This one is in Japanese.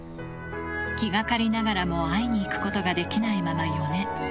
気がかりながらも、会いに行くことができないまま、４年。